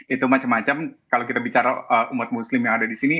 itu macam macam kalau kita bicara umat muslim yang ada di sini